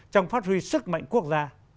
trong phát huy sức mạnh quốc gia